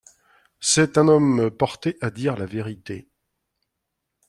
C’est un homme porté à dire la vérité.